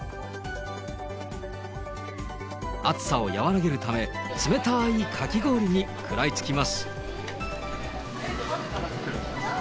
暑さを和らげるため、冷たいかき氷に食らいつきます。